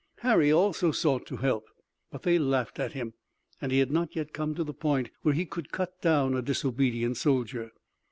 Harry also sought to help, but they laughed at him, and he had not yet come to the point where he could cut down a disobedient soldier.